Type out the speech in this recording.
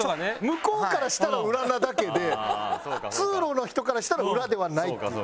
向こうからしたら裏なだけで通路の人からしたら裏ではないっていう。